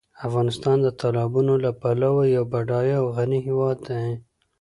افغانستان د تالابونو له پلوه یو بډایه او غني هېواد دی.